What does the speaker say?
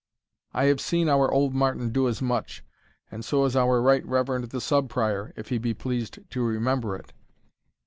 I have seen our old Martin do as much, and so has our right reverend the Sub Prior, if he be pleased to remember it."